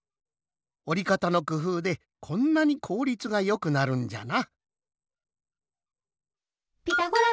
おりかたのくふうでこんなにこうりつがよくなるんじゃな。